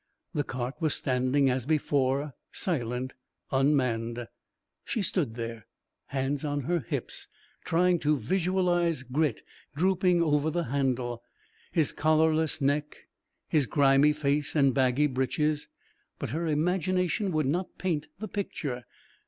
The cart was standing as before, silent, unmanned. She stood there, hands on her hips, trying to visualize Grit drooping over the handle his collarless neck, his grimy face and baggy breeches; but her imagination would not paint the picture.